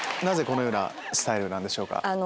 なぜこのようなスタイルなんでしょうか？